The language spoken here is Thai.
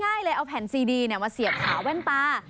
ใช่เลยเอาแผ่นซีดีมาเสียบขาแว่นตา